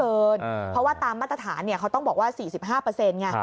เพราะว่าตามมาตรฐานเขาต้องบอกว่า๔๕ไง